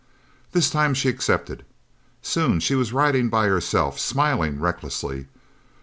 This time she accepted. Soon she was riding by herself, smiling recklessly.